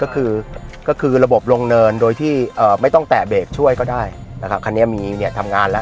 ก็คือระบบลงเนินโดยที่ไม่ต้องแต่เบรกช่วยก็ได้คันนี้มีมีนี้ทำงานแล้ว